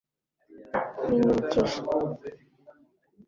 binyibukije